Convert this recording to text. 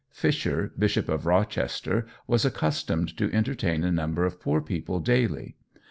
Fisher, Bishop of Rochester, was accustomed to entertain a number of poor people daily.